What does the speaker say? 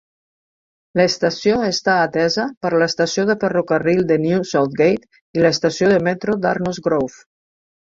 L'estació està atesa per l'estació de ferrocarril de New Southgate i l'estació de metro d'Arnos Grove.